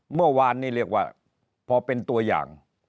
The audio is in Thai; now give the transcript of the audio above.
เมื่อวานนี้เรียกว่าพอเป็นตัวอย่าง